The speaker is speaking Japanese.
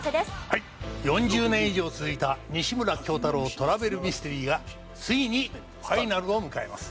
４０年以上続いた『西村京太郎トラベルミステリー』がついにファイナルを迎えます。